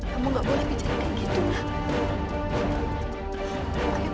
kamu gak boleh bicara kayak gitu